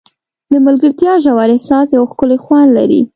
د ملګرتیا ژور احساس یو ښکلی خوند لري.